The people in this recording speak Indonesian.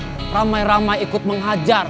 yang ramai ramai ikut menghajar